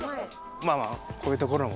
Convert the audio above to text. まあまあこういうところも。